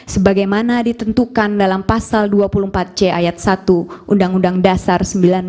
sebagaimana ditentukan dalam pasal dua puluh empat c ayat satu undang undang dasar seribu sembilan ratus empat puluh lima